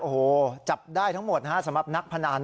โอ้โหจับได้ทั้งหมดนะฮะสำหรับนักพนัน